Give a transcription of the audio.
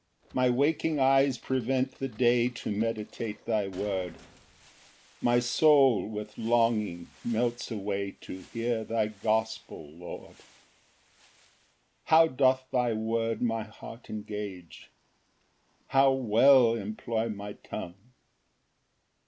Ver. 148. 2 My waking eyes prevent the day To meditate thy word; My soul with longing melts away To hear thy gospel, Lord. Ver. 3 13 54. 3 How doth thy word my heart engage! How well employ my tongue!